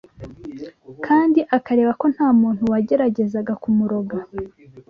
kandi akareba ko nta muntu wageragezaga kumuroga.